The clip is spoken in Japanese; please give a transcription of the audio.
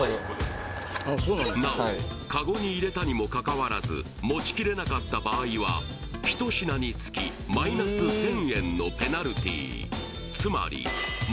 なおカゴに入れたにもかかわらず持ちきれなかった場合は１品につき−１０００円のペナルティー